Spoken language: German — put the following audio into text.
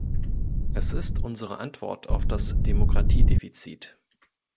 Es ist unsere Antwort auf das Demokratiedefizit.